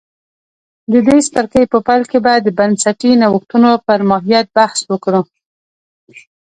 د دې څپرکي په پیل کې به د بنسټي نوښتونو پر ماهیت بحث وکړو